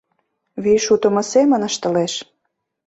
Вий шутымо семын ыштылеш.